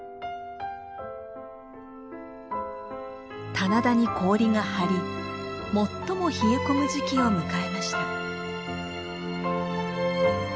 棚田に氷が張り最も冷え込む時期を迎えました。